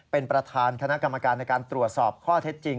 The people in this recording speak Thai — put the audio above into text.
เป็นประธานคณะกรรมการในการตรวจสอบข้อเท็จจริง